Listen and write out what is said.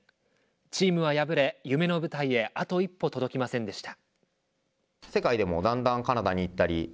チームは敗れ、夢の舞台へあと一歩届きませんでした。